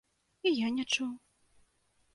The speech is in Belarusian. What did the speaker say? І я не чуў.